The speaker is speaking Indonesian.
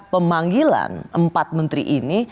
pemanggilan empat menteri ini